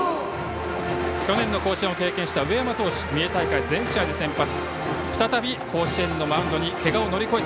去年の甲子園を経験した上山投手は三重大会、全試合で先発。